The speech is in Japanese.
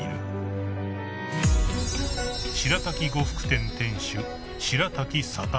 ［白瀧呉服店店主］